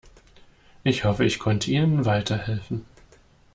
Ich hoffe, ich konnte ihnen weiterhelfen.